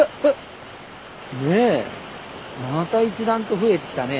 ねえまた一段と増えてきたね。